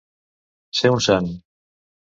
Ser un sant.